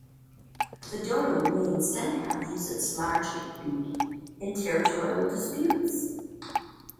The dodo may instead have used its large, hooked beak in territorial disputes.